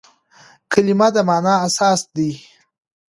کلیمه د مانا اساس دئ.